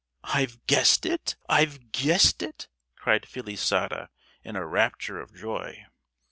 "I've guessed it, I've guessed it," cried Felisata, in a rapture of joy.